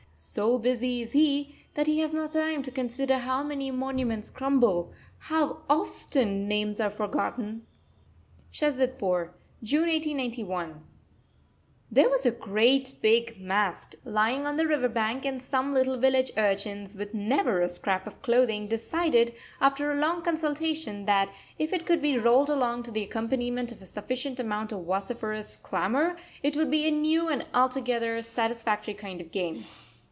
So busy is he that he has not time to consider how many monuments crumble, how often names are forgotten! SHAZADPUR. June 1891. There was a great, big mast lying on the river bank, and some little village urchins, with never a scrap of clothing, decided, after a long consultation, that if it could be rolled along to the accompaniment of a sufficient amount of vociferous clamour, it would be a new and altogether satisfactory kind of game.